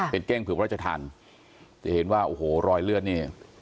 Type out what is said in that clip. เป็นเก้งเผือกพระราชทานจะเห็นว่าโอ้โหรอยเลือดนี่